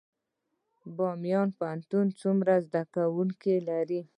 بامیان پوهنتون څومره زده کوونکي لري؟